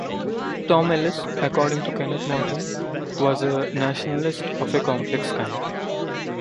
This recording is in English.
Tom Ellis, according to Kenneth Morgan, was a 'nationalist of a complex kind'.